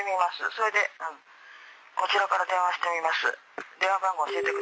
「それでこちらから電話してみます」